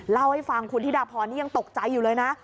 เล่าให้ฟังคุณธิดาพรนี่ยังตกใจอยู่เลยนะ